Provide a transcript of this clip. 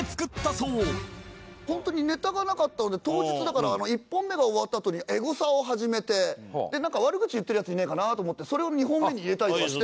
本当にネタがなかったので当日だから１本目が終わったあとにエゴサを始めてなんか悪口言ってるヤツいねえかなと思ってそれを２本目に入れたりとかして。